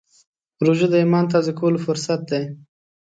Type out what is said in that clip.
روژه د ایمان تازه کولو فرصت دی.